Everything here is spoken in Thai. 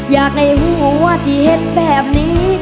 อยากให้หัวที่เห็นแบบนี้